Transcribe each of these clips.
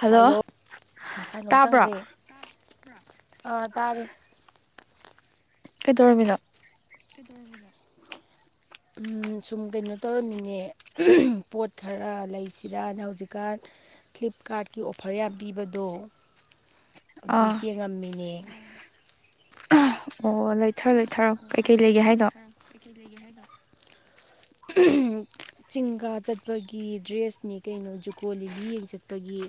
hello ꯀꯩꯅꯣꯝ ꯇꯥꯕ꯭ꯔꯣ ꯆꯪꯈ꯭ꯔꯦ ꯑꯥ ꯇꯥꯔꯦ ꯀꯩꯗꯧꯔꯃꯤꯂ ꯁꯨꯝ ꯀꯩꯅꯣ ꯇꯧꯔꯝꯃꯤꯅꯦ ꯄꯣꯠ ꯈꯔ ꯂꯩꯁꯤꯔꯅ ꯍꯧꯖꯤꯛꯀꯥꯟ ꯐ꯭ꯂꯤꯞꯀꯥꯔꯠꯀꯤ ꯑꯣꯐꯔ ꯌꯥꯝ ꯄꯤꯕꯗꯣ ꯑꯗꯨ ꯑꯥ ꯌꯦꯡꯉꯝꯃꯤꯅꯦ ꯑꯣ ꯂꯩꯊꯔꯣ ꯂꯩꯊꯔꯣ ꯀꯩꯀꯩ ꯂꯩꯒꯦ ꯍꯥꯏꯅꯣ ꯆꯤꯡꯒꯥ ꯆꯠꯄꯒꯤ ꯗ꯭ꯔꯦꯁꯅꯦ ꯀꯩꯅꯣ ꯖꯨꯀꯣ ꯂꯤꯂꯤ ꯌꯦꯡ ꯆꯠꯄꯒꯤ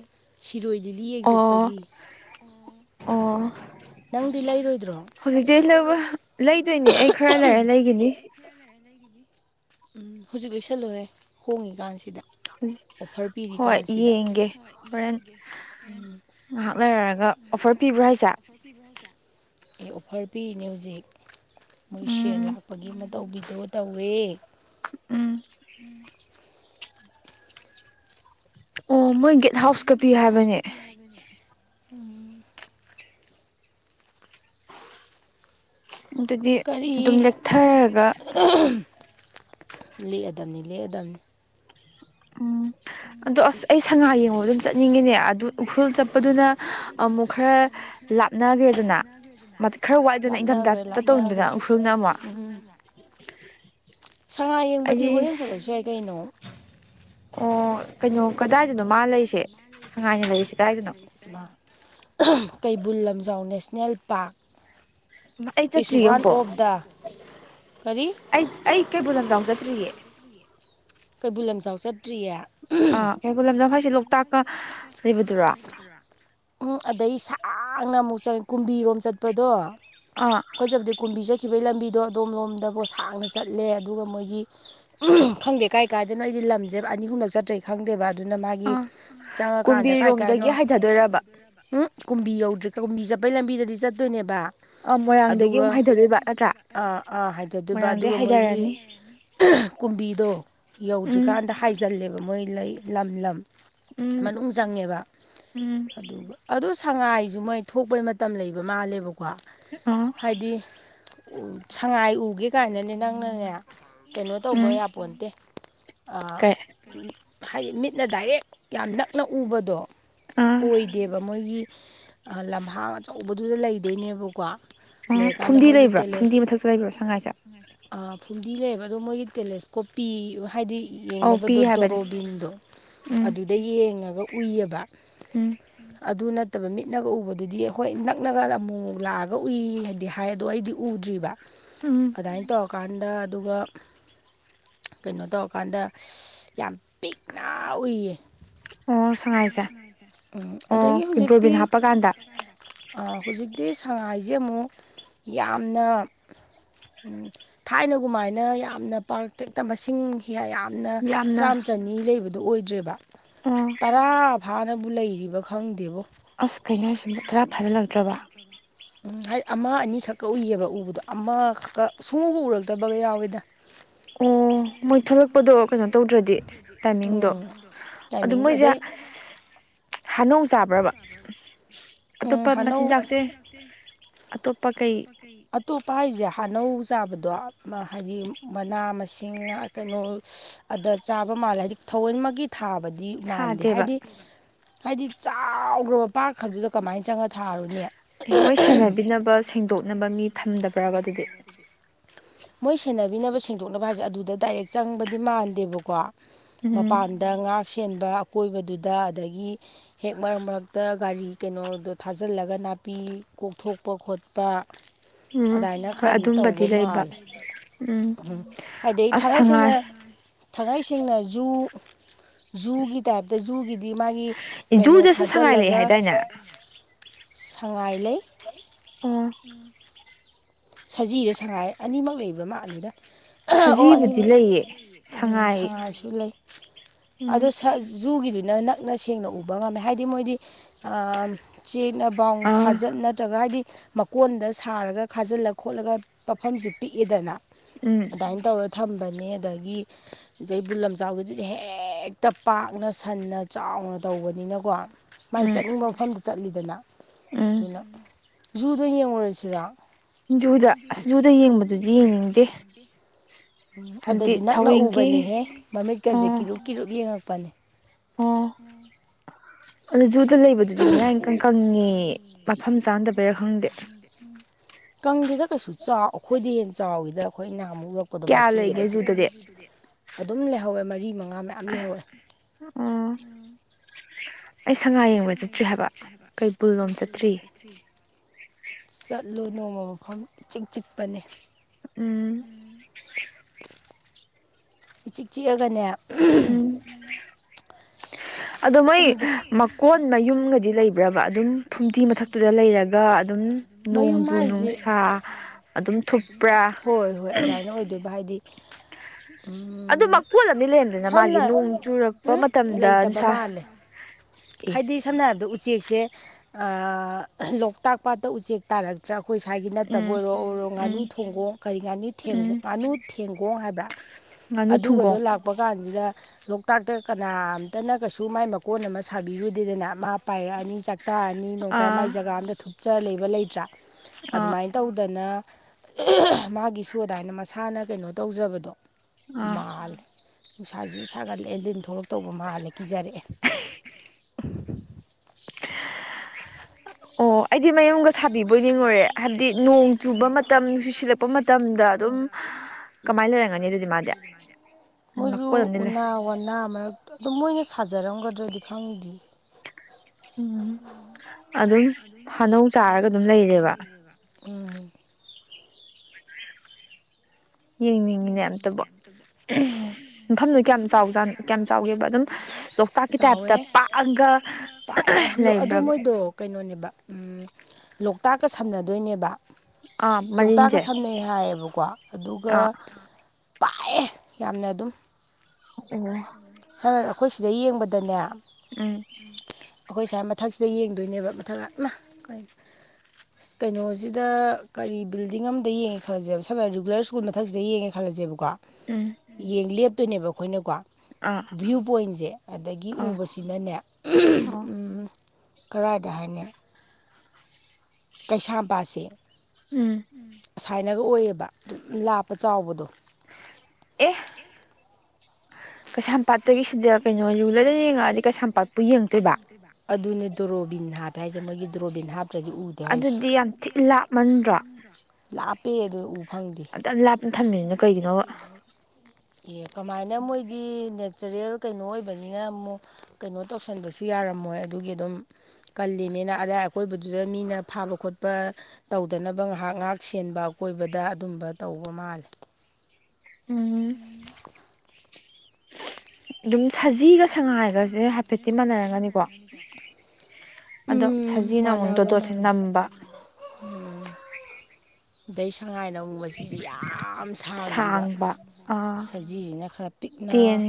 ꯔꯣꯏ ꯂꯤꯂꯤ ꯌꯦꯡ ꯑꯣ ꯆꯠꯄꯒꯤ ꯑꯣ ꯅꯪꯗꯤ ꯂꯩꯔꯣꯢ ꯍꯧꯖꯤꯛꯇꯩ ꯂꯧꯕ ꯂꯩꯗꯣꯏꯅꯦ ꯑꯩ ꯈꯔ ꯂꯩꯔ ꯂꯩꯒꯤꯅꯤ ꯎꯝ ꯍꯧꯖꯤꯛ ꯂꯩꯁꯜꯂꯨꯍꯦ ꯍꯣꯡꯉꯤ ꯀꯥꯟꯁꯤꯗ ꯍꯧꯖꯤꯛ ꯍꯣꯏ ꯌꯦꯡꯒꯦ ꯍꯣꯔꯦꯟ ꯉꯍꯥꯛ ꯂꯩꯔꯒ ꯑꯣꯐꯔ ꯄꯤꯕ꯭ꯔꯣ ꯍꯥꯏꯁꯦ ꯑꯦ ꯑꯣꯐꯔ ꯄꯤꯔꯤꯅꯦ ꯍꯧꯖꯤꯛ ꯃꯣꯏ ꯁꯦꯜ ꯎꯝ ꯂꯥꯛꯄꯒꯤ ꯑꯃ ꯇꯧꯕꯤꯗꯣ ꯇꯧꯋꯦ ꯎꯝ ꯑꯣ ꯃꯣꯏ ꯒꯦꯠ ꯍꯥꯎꯁꯀ ꯄꯤꯌꯨ ꯍꯥꯏꯕꯅꯦ ꯎꯝ ꯑꯗꯨꯗꯤ ꯀꯔꯤ ꯑꯗꯨꯝ ꯂꯦꯛꯊꯔꯒ ꯂꯑꯗꯕꯅꯤ ꯂꯦꯛꯑꯗꯝꯕꯅꯤ ꯎꯝ ꯑꯗꯣ ꯑꯁ ꯑꯩ ꯁꯉꯥꯏ ꯌꯦꯡꯉꯨ ꯑꯗꯨꯝ ꯆꯠꯅꯤꯡꯉꯤꯅꯦ ꯑꯗꯨ ꯎꯈ꯭ꯔꯨꯜ ꯆꯠꯄꯗꯨꯅ ꯑꯃꯨꯛ ꯈꯔ ꯂꯥꯞꯅꯈ꯭ꯔꯦꯗꯅ ꯈꯔ ꯋꯥꯏꯗꯅ ꯏꯪꯊꯝꯊꯥ ꯂꯥꯞꯅꯈ꯭ꯔꯦ ꯆ ꯂꯥꯞꯅꯈ꯭ꯔꯦ ꯇꯧꯅꯤꯡꯅꯤꯗꯅ ꯎꯈ꯭ꯔꯨꯜꯅ ꯑꯃꯨꯛ ꯎꯝ ꯁꯥꯉ ꯌꯦꯡꯕꯗꯤ ꯑꯩꯗꯤ ꯍꯣꯔꯦꯟ ꯆꯠꯂꯁꯨ ꯌꯥꯏ ꯀꯩꯅꯣ ꯑꯣ ꯀꯩꯅꯣ ꯀꯗꯥꯏꯗꯅꯣ ꯃꯥ ꯂꯩꯔꯤꯁꯦ ꯁꯉꯥꯏꯅ ꯂꯩꯔꯤꯁꯦ ꯀꯗꯥꯏꯗꯅꯣ ꯀꯩꯕꯨꯜ ꯂꯝꯖꯥꯎ ꯅꯁ ꯅꯦꯜꯄꯥꯛ ꯑꯩ ꯆꯠꯇ꯭ꯔꯤꯌꯦ ꯑꯝꯕꯥꯎ ꯀꯔꯤ ꯑꯩ ꯑꯩ ꯀꯩꯕꯨꯜ ꯂꯝꯖꯥꯎ ꯆꯠꯇ꯭ꯔꯤꯌꯦ ꯀꯩꯕꯨꯜ ꯂꯝꯖꯥꯎꯖ ꯑꯥ ꯀꯩꯕꯨꯜ ꯃꯝꯖꯥꯎ ꯍꯥꯏꯁꯦ ꯂꯣꯛꯇꯥꯛꯀ ꯂꯩꯕꯗꯨꯔꯥ ꯎꯝ ꯑꯗꯩ ꯁꯥꯡꯅ ꯑꯃꯨꯛ ꯆꯪꯉ ꯀꯨꯝꯕꯤꯔꯣꯝ ꯆꯠꯄꯗꯣ ꯑꯥ ꯈꯣꯏꯖꯕꯗꯤ ꯀꯨꯝꯕꯤ ꯆꯠ ꯈꯤꯕꯒꯤ ꯂꯝꯕꯤꯗꯣ ꯑꯗꯣꯝ ꯂꯣꯝꯗꯕꯣ ꯁꯥꯡꯅ ꯆꯠꯂꯦ ꯑꯗꯨꯒ ꯃꯣꯏꯒꯤ ꯈꯪꯗꯦ ꯀꯥꯏ ꯀꯥꯏꯗꯅꯣ ꯑꯩꯗꯤ ꯂꯝꯖꯦ ꯑꯅꯤꯍꯨꯝꯂꯛ ꯆꯠꯇ꯭ꯔꯗꯤ ꯈꯪꯗꯦꯕ ꯑꯗꯨꯅ ꯃꯥꯒꯤ ꯑꯥ ꯆꯪꯉꯀꯥꯟꯗ ꯀꯥꯏ ꯀꯥꯏꯅꯣ ꯀꯨꯝꯕꯤꯔꯣꯝꯗꯒꯤ ꯍꯥꯏꯊꯗꯣꯏꯔꯕ ꯎꯝ ꯀꯨꯝꯕꯤ ꯌꯧꯗ꯭ꯔꯤ ꯀꯨꯝꯕꯤ ꯆꯠꯄꯩ ꯂꯝꯕꯤꯗꯗꯤ ꯆꯠꯇꯣꯏꯅꯦꯕ ꯑꯥ ꯃꯣꯏꯔꯥꯡꯗꯒꯤ ꯑꯗꯨꯒ ꯑꯃꯨꯛ ꯍꯥꯏꯊꯗꯣꯏꯕ ꯅꯠꯇ꯭ꯔꯥ ꯑꯥ ꯑꯥ ꯍꯥꯏꯖꯗꯣꯏꯕ ꯃꯣꯏꯔꯥꯡꯗꯩ ꯑꯗꯨꯒ ꯃꯣꯏꯒꯤ ꯍꯥꯏꯊꯔꯅꯤ ꯀꯨꯝꯕꯤꯗꯣ ꯎꯝ ꯌꯧꯗ꯭ꯔꯤꯀꯥꯟꯗ ꯍꯥꯏꯖꯤꯜꯂꯦꯕ ꯃꯣꯏ ꯂꯩ ꯂꯝ ꯂꯝ ꯎꯝ ꯎꯝ ꯑꯗꯣ ꯁꯉꯥꯏꯁꯖꯨ ꯃꯣꯏ ꯊꯣꯛꯄꯩ ꯃꯇꯝ ꯂꯩꯕ ꯃꯥꯜꯂꯦꯕ ꯀꯣ ꯑꯥ ꯍꯥꯏꯗꯤ ꯁꯉꯥꯏ ꯎꯒꯦ ꯀꯥꯏꯅꯅꯦ ꯅꯪꯅꯅꯦ ꯀꯩꯅꯣ ꯇꯧꯕ ꯎꯝ ꯌꯥꯄꯣꯟꯣꯟꯇꯦ ꯀꯩ ꯍꯥꯏꯗꯤ ꯃꯤꯠꯅ ꯗꯥꯏꯔꯦꯛ ꯌꯥꯝ ꯅꯛꯅ ꯎꯕꯗꯣ ꯑꯥ ꯑꯣꯏꯗꯦꯕ ꯃꯣꯏꯒꯤ ꯂꯝꯍꯥꯡ ꯑꯆꯧꯕꯗꯨꯗ ꯂꯩꯗꯣꯏꯅꯦꯕꯀꯣ ꯑ ꯂꯩꯔꯀꯥꯟꯗ ꯐꯨꯝꯗꯤ ꯃꯣꯏꯒꯤ ꯂꯩꯕ꯭ꯔꯥ ꯐꯨꯝꯗꯤ ꯃꯊꯛꯇ ꯂꯩꯕ꯭ꯔꯥ ꯁꯉꯥꯏꯁꯦ ꯑ ꯐꯨꯝꯗꯤ ꯂꯩꯌꯦꯕ ꯑꯗꯣ ꯃꯣꯏꯒꯤ ꯇꯦꯂꯦꯁꯀꯣꯞꯄꯤ ꯍꯥꯏꯗꯤ ꯑꯧ ꯄꯤ ꯌꯦꯡꯅꯕꯗꯣ ꯍꯥꯏꯕꯅꯦ ꯗꯣꯔꯣꯕꯤꯟꯗꯣ ꯎꯝ ꯑꯗꯨꯗ ꯌꯦꯡꯉꯒ ꯎꯏꯌꯦꯕ ꯎꯝ ꯑꯗꯨ ꯅꯠꯇꯕ ꯃꯤꯠꯅꯒ ꯎꯕꯗꯨꯗꯤ ꯍꯣꯏ ꯅꯛꯅꯒ ꯑꯃꯨꯛ ꯂꯥꯛꯑꯒ ꯎꯏ ꯍꯥꯏꯗꯤ ꯍꯥꯏ ꯑꯗꯣ ꯑꯩꯗꯤ ꯎꯗ꯭ꯔꯤꯕ ꯎꯝ ꯑꯗꯥꯏꯅ ꯇꯧꯔꯀꯥꯟꯗ ꯑꯗꯨꯒ ꯀꯩꯅꯣ ꯇꯧꯔꯀꯥꯟꯗ ꯌꯥꯝ ꯄꯤꯛꯅ ꯎꯏꯌꯦ ꯑꯣ ꯁꯉꯥꯏꯁꯦ ꯎꯝ ꯑꯗꯒꯤ ꯑꯣ ꯗ꯭ꯔꯣꯕꯤꯟ ꯍꯧꯖꯤꯛꯇꯤ ꯍꯥꯞꯄꯀꯥꯟꯗ ꯑ ꯍꯧꯖꯤꯛꯇꯤ ꯁꯉꯥꯏꯁꯦ ꯑꯃꯨꯛ ꯌꯥꯝꯅ ꯊꯥꯏꯅꯒꯨꯝꯃꯥꯏꯅ ꯌꯥꯝꯅ ꯄꯥꯛꯇꯛꯇ ꯃꯁꯤꯡ ꯌꯥ ꯌꯥꯝꯅ ꯌꯥꯝꯅ ꯆꯥꯝ ꯆꯅꯤ ꯂꯩꯕꯗꯣ ꯑꯣꯏꯗ꯭ꯔꯦꯕ ꯇꯔꯥ ꯐꯥꯅꯕꯨ ꯂꯩ ꯈꯪꯗꯦꯕꯨ ꯑꯁ ꯀꯩꯅꯣ ꯍꯥꯏꯁꯤꯕꯣ ꯈꯔ ꯐꯥꯖꯤꯜꯂꯛꯇ꯭ꯔꯕ ꯎꯝ ꯍꯥꯏ ꯑꯃ ꯑꯅꯤꯈꯛ ꯀꯛ ꯎꯏꯑꯕ ꯎꯕꯗꯣ ꯑꯃꯈꯛꯇ ꯁꯨꯡꯎꯨ ꯎꯔꯛꯇꯕꯒ ꯌꯥꯎꯋꯦꯗ ꯑꯝ ꯑꯣ ꯃꯣꯏ ꯊꯣꯛꯂꯛꯄꯗꯣ ꯀꯩꯅꯣ ꯇꯧꯗ꯭ꯔꯗꯤ ꯇꯥꯏꯃꯤꯡꯗꯣ ꯎꯝ ꯑꯗꯨ ꯇꯥꯏꯃꯤꯡꯗꯣ ꯃꯣꯏꯁꯦ ꯑꯗꯩ ꯑꯁ [inaudible] ꯍꯥꯅꯣꯡ ꯆꯥꯕ꯭ꯔꯕ ꯎꯝ ꯑꯇꯣꯞꯄ ꯍꯥꯅꯧ ꯃꯆꯤꯟꯖꯥꯛꯁꯦ ꯀꯩ ꯑꯇꯣꯄ ꯍꯥꯏꯖꯦ ꯍꯥꯅꯧ ꯆꯥꯕꯗꯣ ꯍꯥꯏꯗꯤ ꯃꯅꯥ ꯃꯁꯤꯡ ꯀꯩꯅꯣ ꯑꯗ ꯆꯥꯕ ꯃꯥꯜꯂꯦ ꯍꯥꯏꯗꯤ ꯊꯥꯋꯣꯢꯃꯛꯒꯤ ꯊꯥꯕꯗ ꯃꯥꯟꯗꯦ ꯊꯥꯗꯦꯕ ꯍꯥꯏꯗꯤ ꯍꯥꯏꯗꯤ ꯆꯥꯎꯈ꯭ꯔꯕ ꯄꯥꯛꯈꯔꯕꯗꯨꯗ ꯊꯥꯔꯨꯅꯦ ꯇꯣꯛꯅꯕ ꯃꯤ ꯊꯝꯗꯕ꯭ꯔꯕ ꯑꯗꯨꯗꯤ ꯃꯣꯏ ꯁꯦꯟꯅꯕꯤꯅꯕ ꯁꯦꯡꯗꯣꯛꯅꯕ ꯍꯥꯏꯁꯦ ꯑꯗꯨꯗ ꯗꯥꯏꯔꯦꯛ ꯆꯪꯕꯗꯤ ꯃꯥꯟꯗꯦꯕꯀꯣ ꯎꯝ ꯃꯄꯥꯟꯗ ꯉꯥ ꯁꯦꯟꯕ ꯑꯀꯣꯏꯕꯗꯨꯗ ꯑꯗꯒꯤ ꯍꯦꯛ ꯃꯔꯛ ꯃꯔꯛꯇ ꯒꯥꯔꯤ ꯀꯩꯅꯣꯗꯣ ꯊꯥꯖꯤꯜꯂꯒꯅ ꯅꯥꯄꯤ ꯀꯣꯛꯊꯣꯛꯄ ꯈꯣꯠꯄ ꯎꯝ ꯑꯗꯥꯏꯅ ꯍꯣꯏ ꯈꯔꯗꯤ ꯑꯗꯨꯝꯕꯗꯤ ꯇꯧꯕ ꯂꯩꯕ ꯃꯥꯜꯂꯦ ꯎꯝ ꯍꯥꯏꯗꯤ ꯑꯁ ꯊꯥꯡꯉꯩ ꯁꯉꯥꯏ ꯁꯦꯡꯅ ꯊꯥꯡꯉꯩ ꯁꯦꯡꯅ ꯖꯨ ꯖꯨꯒꯤ ꯇꯥꯏꯞꯇ ꯖꯨꯒꯤꯗꯤ ꯃꯥꯒꯤ ꯀꯩꯅꯣ ꯖꯨꯗꯁꯨ ꯁꯉꯥꯏ ꯂꯩꯑꯦ ꯈꯥꯖꯤꯜꯂꯒ ꯍꯥꯏꯗꯥꯏꯅꯦ ꯁꯉꯥꯏ ꯂꯩꯩ ꯑꯣ ꯎꯝ ꯁꯖꯤꯔ ꯁꯉꯥꯏ ꯑꯅꯤꯃꯛ ꯂꯩꯕ꯭ꯔꯥ ꯃꯥꯜꯂꯤꯗ ꯑꯣ ꯁꯖꯤꯕꯨꯗꯤ ꯑꯅꯤꯃꯛ ꯂꯩꯌꯦ ꯁꯉꯥꯏ ꯁꯉꯥꯏꯁꯨ ꯂꯩ ꯎꯝ ꯑꯗꯣ ꯖꯨꯒꯤꯗꯨꯅ ꯅꯛꯅ ꯁꯦꯡꯅ ꯎꯕ ꯉꯝꯃꯦ ꯍꯥꯏꯗꯤ ꯃꯣꯏꯗꯤ ꯆꯦꯛ ꯕꯥꯎꯟ ꯑꯥ ꯅꯠꯇ꯭ꯔꯒ ꯍꯥꯏꯗꯤ ꯃꯀꯣꯟꯗ ꯁꯥꯔꯒ ꯈꯥꯖꯤꯜꯂ ꯈꯣꯠꯂꯒ ꯄꯥꯐꯝꯁꯤ ꯄꯤꯛꯌꯤꯗꯅ ꯎꯝ ꯑꯗꯨꯃꯥꯏꯅ ꯇꯧꯔ ꯊꯝꯕ ꯗꯒꯤ ꯀꯩꯕꯨꯜ ꯂꯝꯆꯥꯎ ꯍꯦꯛꯇ ꯄꯥꯛꯅ ꯁꯟꯅ ꯆꯥꯎꯅ ꯇꯧꯕ ꯇꯧꯕꯅꯤꯅꯀꯣ ꯃꯥꯏ ꯎꯝ ꯆꯠꯅꯤꯡꯕ ꯃꯐꯝꯗ ꯆꯠꯂꯤꯗꯅ ꯎꯝ ꯑꯗꯨꯅ ꯖꯨꯗꯣ ꯌꯦꯡꯉꯨꯔꯁꯤꯔꯣ ꯖꯨꯗ ꯑꯁ ꯖꯨꯗ ꯌꯦꯡꯕꯗꯨꯗꯤ ꯌꯦꯡꯅꯤꯡꯗꯦ ꯎꯝ ꯍꯥꯏꯕꯗꯤ ꯑꯗꯨꯗꯗꯤ ꯅꯛꯅ ꯊꯋꯦꯟꯒꯤ ꯎꯕꯅꯦꯍꯦ ꯃꯃꯤꯠꯀꯁꯦ ꯑꯣ ꯀꯤꯔꯨꯞ ꯀꯤꯔꯨꯞ ꯌꯦꯡꯉꯛꯄꯅꯦ ꯑꯣ ꯎꯝ [unintelligible] ꯑꯗꯨ ꯖꯨꯗ ꯂꯩꯕꯗꯨꯗꯤ ꯃꯌꯥꯡ ꯏꯪꯀꯪ ꯀꯪꯉꯦ ꯃꯐꯝ ꯆꯥꯅꯗꯕꯩꯔꯥ ꯈꯪꯗꯦ ꯀꯪꯗꯦꯗ ꯀꯩꯁꯨ ꯆꯥꯎ ꯑꯩꯈꯣꯏꯗꯩ ꯍꯦ ꯆꯥꯎꯋꯤꯗ ꯑꯩꯈꯣꯏꯅ ꯑꯃꯨꯛ ꯑꯔꯛꯄꯗꯣ ꯀꯌꯥ ꯃꯆꯤꯒꯗꯣ ꯂꯩꯒꯦ ꯖꯨꯗꯗꯤ ꯑꯗꯨꯝ ꯂꯩꯍꯧꯋꯦ ꯃꯔꯤꯥ ꯃꯉꯥ ꯉꯥ ꯃꯌꯥꯝ ꯂꯩꯍꯧꯏ ꯎꯝ ꯑꯩ ꯁꯉꯥꯏ ꯌꯦꯡꯕ ꯆꯠꯁꯦ ꯍꯥꯏꯕ ꯀꯕꯨꯖꯗ꯭ꯔꯤ ꯂꯨ ꯅꯣꯡꯃ ꯃꯐꯝ ꯆꯤꯛ ꯆꯤꯛꯄꯅꯦ ꯎꯝ ꯏꯆꯤꯛ ꯆꯤꯛꯑꯒꯅꯦ ꯎꯝ [inaudible] ꯑꯗꯣ ꯃꯣꯏ ꯈꯪꯗꯦ ꯃꯀꯣꯟ ꯃꯌꯨꯝꯒꯗꯤ ꯂꯩꯕ꯭ꯔꯕ ꯑꯗꯨꯝ ꯐꯨꯝꯗꯤ ꯃꯊꯛꯇꯨꯗ ꯂꯩꯔꯒ ꯑꯗꯨꯝ ꯃꯌꯨꯝ ꯅꯣꯡꯖꯨ ꯍꯥꯏꯁꯦ ꯅꯨꯡꯁꯥ ꯑꯗꯨꯝ ꯊꯨꯞꯄ꯭ꯔꯥ ꯍꯣꯏ ꯍꯣꯏ ꯑꯗꯨꯥꯏꯅ ꯑꯣꯏꯗꯣꯏ ꯚꯥꯏ ꯑꯗꯨꯃꯛ ꯀꯣꯠꯂꯅꯤ ꯂꯩꯔꯝꯗꯅ ꯃꯥꯒꯤ ꯁꯝꯅ ꯅꯣꯡ ꯆꯨꯔꯛꯄ ꯃꯇꯝꯗ ꯂꯩꯇꯕ ꯅꯨꯡꯁꯥ ꯃꯥꯜꯂꯦ ꯑꯦ ꯍꯥꯏꯗꯤ ꯁꯝꯅ ꯍꯥꯏꯔꯕꯗ ꯎꯆꯦꯛꯁꯦ ꯂꯣꯛꯇꯥꯛ ꯄꯥꯠꯇ ꯎꯆꯦꯛ ꯇꯥꯔꯛꯇ꯭ꯔꯥ ꯑꯩꯈꯣꯏ ꯁ꯭ꯋꯥꯏꯒꯤ ꯅꯠꯇꯕ ꯎꯝ ꯑꯣꯏꯔꯣ ꯑꯣꯏꯔꯣ ꯎꯝ ꯉꯥꯅꯨ ꯊꯣꯡꯒꯣꯡ ꯀꯔꯤ ꯉꯥꯅꯨ ꯎꯝ ꯉꯥꯅꯨ ꯊꯦꯡꯒꯣꯡ ꯍꯥꯏꯕ꯭ꯔꯥ ꯉꯥꯅꯨ ꯑꯗꯨꯒꯗꯣ ꯊꯨꯡꯒꯣꯡ ꯂꯥꯛꯄ ꯀꯥꯟꯁꯤꯗ ꯂꯣꯛꯇꯥꯛꯇ ꯀꯅꯥꯝꯇꯅ ꯀꯩꯁꯨ ꯃꯥꯏ ꯃꯀꯣꯟ ꯑꯃ ꯁꯥꯕꯤꯔꯨꯗꯦꯗꯅ ꯃꯥ ꯄꯥꯏꯔꯛꯑꯅꯤ ꯆꯥꯛ ꯇꯥꯔꯅꯤ ꯅꯣꯡꯇ ꯑꯥ ꯃꯥꯏ ꯖꯒꯥ ꯑꯝꯗ ꯊꯨꯞꯆ ꯂꯩꯕ ꯂꯩꯇ꯭ꯔꯥ ꯑꯥ ꯑꯗꯨꯃꯥꯏꯅ ꯇꯧꯗꯅ ꯃꯥꯒꯤꯁꯨ ꯑꯗꯨꯃꯥꯏꯅ ꯃꯁꯥꯅ ꯀꯩꯅꯣ ꯇꯧꯖꯕꯗꯣ ꯑꯥ ꯃꯥꯜꯂꯦ ꯅꯨꯡꯁꯥꯁꯤꯁꯨ ꯁꯥꯒꯠꯂꯦ ꯂꯤꯟ ꯊꯣꯛꯂꯛꯇꯧꯕ ꯃꯥꯜꯂꯦ ꯀꯤꯖꯔꯛꯑꯦ ꯑꯣ ꯑꯩꯗꯤ ꯃꯌꯨꯝꯒ ꯁꯥꯕꯤꯕꯣꯏ ꯌꯦꯡꯉꯨꯔꯦ ꯍꯥꯏꯕꯗꯤ ꯅꯣꯡ ꯆꯨꯕ ꯃꯇꯝ ꯅꯨꯡꯁꯤꯨꯁꯤꯜꯂꯛꯄ ꯃꯇꯝꯗ ꯑꯗꯨꯝ ꯀꯃꯥꯏꯅ ꯎꯝ ꯂꯩꯔꯝꯒꯅꯤ ꯑꯗꯨꯗꯤ ꯃꯥꯗꯤ ꯃꯣꯏꯁꯨ ꯅꯥꯀꯣꯠ ꯑꯃꯗꯤ ꯂꯩ ꯎꯅꯥꯅꯥ ꯃꯣꯏ ꯍꯖꯔꯣꯡꯒꯗ ꯂꯤ ꯈꯪꯗꯤ ꯎꯝ ꯑꯗꯨꯝ ꯍꯅꯧ ꯍꯅꯧ ꯆꯥꯔꯒ ꯑꯗꯨꯝ ꯂꯩꯌꯦꯕ ꯑꯣ ꯌꯦꯡꯅꯤꯡꯉꯤꯅꯦ ꯑꯝꯇꯕꯨ ꯃꯐꯝꯗꯣ ꯀꯌꯥꯝ ꯆꯥꯎꯖ ꯀꯌꯥꯝ ꯆꯥꯎꯒꯦꯕ ꯑꯗꯨꯝ ꯂꯣꯛꯇꯥꯛꯀꯤ ꯇꯥꯏꯞꯇ ꯆꯥꯎꯋꯦ ꯄꯥꯛꯑꯒ ꯂꯩꯕ꯭ꯔꯕ ꯎꯝ ꯂꯣꯛꯇꯥꯛꯀ ꯁꯝꯅꯗꯣꯏꯅꯦꯕ ꯑꯥ ꯂꯣꯛꯇꯥꯛꯀ ꯃꯔꯤꯟꯁꯦ ꯁꯝꯅꯩ ꯍꯥꯏꯌꯦꯕꯀꯣ ꯑꯗꯨꯒ ꯑꯥ ꯄꯥꯏꯑꯦ ꯌꯥꯝꯅ ꯑꯗꯨꯝ ꯑꯣ ꯑꯩꯈꯣꯏ ꯁꯤꯗ ꯌꯦꯡꯕꯗꯅꯦ ꯎꯝ ꯑꯩꯈꯣꯏ ꯁꯥꯏ ꯃꯊꯛꯁꯤꯗ ꯌꯦꯡꯗꯣꯏꯅꯦꯕ ꯃꯊꯪ ꯌꯥꯝꯞꯅ ꯀ ꯀꯩꯅꯣꯁꯤꯗ ꯀꯔꯤ ꯕꯤꯜꯗꯤꯡ ꯑꯃꯗ ꯌꯦꯡꯉꯦ ꯈꯜꯂꯁꯦꯕ ꯁꯝꯅ ꯔꯤꯒꯨꯂꯔ ꯁ꯭ꯀꯨꯜ ꯃꯊꯛꯁꯤꯗ ꯌꯦꯡꯉꯦ ꯈꯜꯂꯁꯦꯕꯀꯣ ꯀꯣ ꯎꯝ ꯌꯦꯡ ꯂꯦꯞꯇꯣꯏꯅꯦꯕ ꯑꯩꯈꯣꯏꯅꯀꯣ ꯑꯥ ꯚ꯭ꯌꯨ ꯄꯣꯏꯟꯁꯦ ꯑꯗꯒꯤ ꯑꯥ ꯎꯕꯁꯤꯅꯅꯦ ꯑꯣ ꯀꯔꯥꯏꯗ ꯍꯥꯏꯥꯏꯅꯦ ꯀꯩꯁꯥꯝꯄꯥꯁꯦ ꯎꯝ ꯑꯁꯥꯏꯅꯒ ꯑꯣꯏꯌꯦꯕ ꯑꯗꯨꯝ ꯂꯥꯞꯄ ꯆꯥꯎꯕꯗꯣ ꯑꯦ ꯀꯩꯁꯥꯝꯄꯥꯠꯇꯒꯤ ꯁꯤꯗ ꯀꯩꯅꯣ ꯂꯨꯂꯒ ꯌꯦꯡꯉꯛꯑꯗꯤ ꯀꯩꯁꯥꯝꯄꯥꯠꯄꯨ ꯌꯦꯡꯗꯣꯏꯕ ꯑꯗꯨꯅꯦ ꯇꯣꯔꯣ ꯍꯥꯞꯄꯦ ꯍꯥꯏꯁꯦ ꯃꯣꯏꯒꯤ ꯗ꯭ꯔꯣꯕꯤꯟ ꯍꯥꯞꯇ꯭ꯔꯗꯤ ꯎꯗꯦ ꯍꯥꯏꯁꯦ ꯑꯗꯨꯗꯤ ꯌꯥꯝ ꯊꯤ ꯂꯥꯞꯃꯟꯗ꯭ꯔꯣ ꯄꯦ ꯑꯗꯨ ꯎꯕ ꯐꯪꯗꯦ ꯑꯗꯨꯌꯥꯝ ꯂꯥꯞꯅ ꯊꯝꯃꯤꯗꯨꯅ ꯀꯩꯒꯤꯅꯣꯕ ꯑꯦ ꯀꯃꯥꯏꯅ ꯃꯣꯏꯒꯤ ꯅꯦꯆꯔꯦꯜ ꯀꯩꯅꯣ ꯑꯣꯏꯕꯅꯤꯅ ꯑꯃꯨꯛ ꯀꯩꯅꯣ ꯇꯧꯁꯟꯕꯁꯨ ꯌꯥꯔꯝꯃꯣꯏ ꯑꯗꯨꯒꯤ ꯑꯗꯨꯝ ꯀꯜꯂꯤ ꯅꯤꯅ ꯑꯗꯥꯏ ꯑꯀꯣꯏꯕꯗꯨꯗ ꯃꯤꯅ ꯐꯥꯕ ꯈꯣꯠꯄ ꯇꯧꯗꯅꯕ ꯉꯥꯏꯍꯥꯛ ꯉꯥꯏꯍꯥꯛ ꯁꯦꯟꯕ ꯑꯀꯣꯏꯕꯗ ꯗ ꯑꯗꯨꯝꯕ ꯇꯧꯕ ꯃꯥꯂꯦ ꯎꯝ ꯑꯗꯨꯝ ꯁꯖꯤꯒ ꯁꯉꯥꯏꯒꯁꯦ ꯍꯥꯏꯐꯦꯠꯇꯤ ꯃꯥꯟꯅꯔꯒꯅꯤꯀꯣ ꯑꯗꯣ ꯎꯝ ꯁꯖꯤꯅ ꯑꯃꯨꯛ ꯃꯥꯟꯅꯕ ꯇꯣꯗꯣꯠꯁꯦ ꯃꯥꯜꯂꯦ ꯅꯝꯕ ꯑꯗꯩ ꯁꯉꯥꯏꯅ ꯑꯃꯨꯛ ꯑꯁꯤꯁꯦ ꯌꯥꯝ ꯁꯥꯡꯈꯤꯕ ꯁꯥꯡꯕ ꯑꯥ ꯁꯖꯤꯁꯤꯅ ꯈꯔ ꯄꯤꯛꯅ ꯇꯦꯟ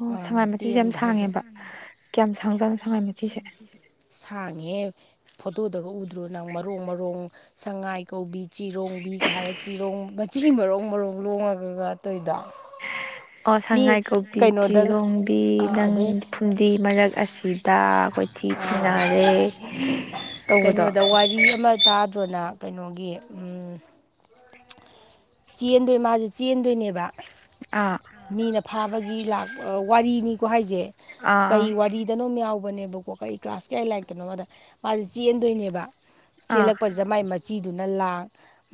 ꯑꯣ ꯁꯉꯥꯏ ꯃꯆꯤꯁꯦ ꯌꯥꯝ ꯇꯦꯟꯕ ꯍꯥꯏꯗꯣꯏꯔꯥ ꯁꯥꯡꯉꯦꯕ ꯀꯌꯥꯝ ꯁꯥꯡꯖꯥꯠꯅꯣ ꯁꯉꯥꯏ ꯃꯆꯤꯁꯦ ꯁꯥꯡꯉꯦ ꯐꯣꯇꯣꯗꯒ ꯎꯗ꯭ꯔꯣ ꯅꯪ ꯃꯔꯣꯡ ꯃꯔꯣꯡ ꯁꯉꯥꯏ ꯀꯧꯕꯤ ꯆꯤꯔꯣꯡꯕꯤ ꯀꯩ ꯍꯥꯏꯔꯦ ꯆꯤꯔꯣꯡ ꯃꯆꯤ ꯃꯔꯣꯡ ꯃꯔꯣꯡ ꯂꯣꯡꯉꯒꯒ ꯑꯇꯣꯏꯗ ꯑꯣ ꯁꯉꯥꯏ ꯀꯧꯕꯤ ꯆꯤꯔꯣꯡꯕꯤ ꯑꯥ ꯅꯪ ꯑꯗꯩ ꯐꯨꯝꯗꯤ ꯃꯔꯛ ꯑꯁꯤꯗ ꯑꯩꯈꯣꯏ ꯇꯧꯕꯗꯣ ꯀꯩꯅꯣꯗ ꯋꯥꯔꯤ ꯑꯃ ꯇꯥꯗ꯭ꯔꯣꯅ ꯀꯩꯅꯣꯒꯤ ꯆꯦꯟꯗꯣꯏ ꯃꯥꯁꯦ ꯆꯦꯟꯗꯣꯏꯅꯦꯕ ꯑꯥ ꯃꯤꯅ ꯐꯥꯕꯒꯤ ꯂꯥꯛ ꯋꯥꯔꯤꯅꯤꯀꯣ ꯍꯥꯏꯁꯦ ꯑꯥ ꯑꯥ ꯀꯩ ꯋꯥꯔꯤꯗꯅꯣꯝ ꯌꯥꯎꯕ ꯅꯦꯕꯀꯣ ꯀ ꯀ꯭ꯂꯥꯁ ꯀꯌꯥ ꯂꯥꯏꯔꯤꯛꯇꯅꯣ ꯃꯥꯗ ꯃꯥꯁꯦ ꯆꯦꯟꯗꯣꯏꯅꯦꯕ ꯑꯥ ꯆꯦꯜꯂꯛꯄꯁꯦ ꯃꯥꯏ ꯃꯆꯤꯗꯨꯅ ꯂꯥꯡ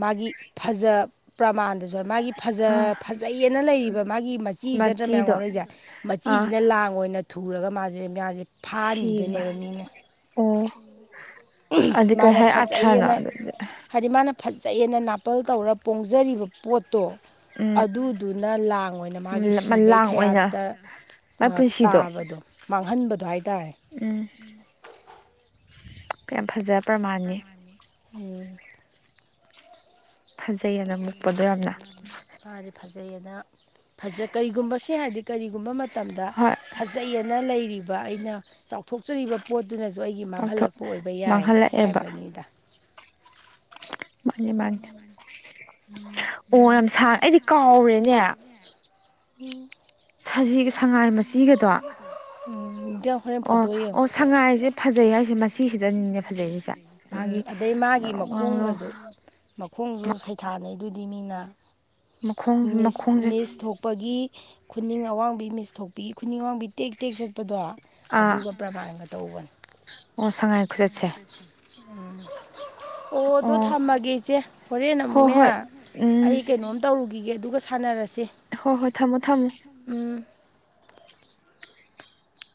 ꯃꯥꯒꯤ ꯐꯖ ꯄ꯭ꯔꯃꯥꯟ ꯑꯗꯨꯗ ꯃꯥꯒꯤ ꯐꯖ ꯑꯥ ꯐꯖꯩꯑꯅ ꯂꯩꯔꯤꯕ ꯃꯥꯒꯤ ꯃꯆꯤ ꯅꯠꯇ꯭ꯔ ꯃꯌꯥꯝ ꯃꯆꯤꯗꯣ ꯉꯥꯎꯅꯩꯁꯦ ꯑꯥ ꯃꯆꯤꯁꯤꯅ ꯂꯥꯡ ꯑꯣꯏꯅ ꯊꯨꯔꯒ ꯃꯥꯁꯦꯁ ꯁꯤꯕ ꯐꯥꯍꯟꯗꯣꯏꯅꯦꯕ ꯃꯤꯅ ꯑꯣ ꯑꯗꯨ ꯀꯩ ꯃꯥꯅ ꯍꯥꯏ ꯑꯥꯊ꯭ꯔꯅꯣ ꯐꯖꯩꯌꯦꯅ ꯑꯗꯨꯗꯤ ꯍꯥꯏꯗꯤ ꯃꯥꯅ ꯐꯖꯍꯦꯅ ꯅꯥꯄꯜ ꯇꯧꯔ ꯄꯣꯡꯖꯔꯤꯕ ꯄꯣꯠꯇꯣ ꯎꯝ ꯑꯗꯨꯗꯨꯅ ꯂꯥꯡ ꯑꯣꯏꯅ ꯃꯥꯒꯤ ꯁꯤꯕꯩ ꯃꯂꯥꯡ ꯑꯣꯏꯅ ꯀꯌꯥꯠꯇ ꯃꯥꯏ ꯄꯨꯟꯁꯤꯗꯣ ꯇꯥꯕꯗꯣ ꯃꯥꯡꯍꯟꯕꯗꯣ ꯍꯥꯏ ꯇꯔꯦ ꯎꯝ ꯌꯥꯝ ꯐꯖ ꯄ꯭ꯔꯃꯥꯟꯅꯤ ꯎ ꯐꯖꯩꯑꯅ ꯃꯨꯛꯄꯗꯣ ꯌꯥꯝꯅ ꯐꯗꯤ ꯐ ꯐꯖꯩꯌꯦꯅ ꯐꯖ ꯀꯔꯤꯒꯨꯝꯕꯁꯦ ꯍꯥꯏꯗꯤ ꯀꯔꯤꯒꯨꯝꯕ ꯃꯇꯝꯗ ꯍꯣꯏ ꯐꯖꯩꯑꯅ ꯂꯩꯔꯤꯕ ꯑꯩꯅ ꯆꯥꯎꯊꯣꯛꯆꯔꯤꯕ ꯄꯣꯠ ꯑꯗꯨꯅꯁꯨ ꯑꯩꯒꯤ ꯉꯥꯎꯊꯣꯛ ꯃꯥꯡꯍꯜꯂꯛꯄ ꯑꯣꯏꯕ ꯌꯥꯏ ꯃꯥꯡꯍꯜꯂꯛꯑꯦꯕ ꯍꯥꯏꯕꯅꯤꯗ ꯃꯥꯅꯤ ꯃꯥꯅꯤ ꯑꯣ ꯌꯥꯝ ꯁꯥꯡ ꯑꯩꯗꯤ ꯀꯥꯎꯔꯦꯅꯦ [unintelligible] ꯎꯝ ꯁꯖꯤ ꯁꯉꯥꯏ ꯃꯆꯤꯒꯗꯣ ꯎ ꯏꯗꯤꯎ ꯍꯣꯔꯦꯟ ꯐꯣꯇꯣ ꯌꯦꯡꯉꯣ ꯉꯁꯦ ꯃꯁꯤꯁꯤꯗꯅꯤꯅꯦ ꯐꯖꯔꯤꯁꯦ ꯃꯥꯒꯤ ꯎꯝ ꯑꯗꯩ ꯃꯥꯒꯤ ꯃꯔꯣꯡ ꯃꯔꯥꯡꯂꯣ ꯃꯈꯣꯡꯒꯁꯨ ꯃꯈꯣꯡꯁꯨ ꯁꯩꯊꯥꯅꯩꯗꯨꯗꯤ ꯃꯤꯅ ꯃꯈꯣꯡ ꯃꯤꯁ ꯃꯈꯣꯡꯁꯦ ꯃꯤꯁ ꯊꯣꯛꯄꯒꯤ ꯈꯨꯅꯤꯡ ꯑꯋꯥꯡꯕꯤ ꯃꯤꯁ ꯊꯣꯛꯣꯛꯄꯤ ꯈꯨꯅꯤꯡ ꯑꯋꯥꯡꯕꯤ ꯇꯦꯛ ꯇꯦꯛ ꯆꯠꯄꯗꯣ ꯑꯥ ꯑꯗꯨꯒ ꯄ꯭ꯔꯕꯥꯟꯒ ꯇꯧꯕꯅꯤ ꯑꯣ ꯁꯉꯥꯏ ꯈꯨꯆꯠꯁꯦ ꯑꯣꯗꯣ ꯑꯣ ꯊꯝꯃꯒꯦ ꯏꯆꯦ ꯍꯣꯔꯦꯟꯟꯅ ꯍꯣ ꯑꯃꯨꯛꯅꯦ ꯍꯣꯏ ꯑꯩ ꯀꯩꯅꯣꯝ ꯇꯧꯔꯨꯈꯤꯒꯦ ꯑꯗꯨꯒ ꯁꯥꯟꯅꯔꯁꯤ ꯍꯣꯏ ꯍꯣꯏ ꯊꯝꯃꯣ ꯊꯝꯃꯣ ꯎꯝ [inaudible]